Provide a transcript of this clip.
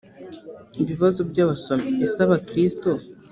ibibazo by abasomyi ese abakristo